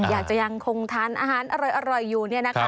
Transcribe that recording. อยากจะยังคงทานอาหารอร่อยอยู่